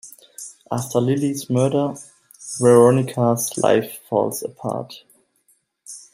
After Lilly's murder, Veronica's life falls apart.